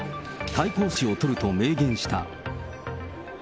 対抗措置を取ると明言した。